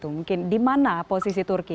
mungkin di mana posisi turki